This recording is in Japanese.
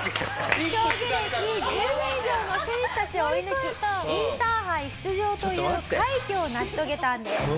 競技歴１０年以上の選手たちを追い抜きインターハイ出場という快挙を成し遂げたんです。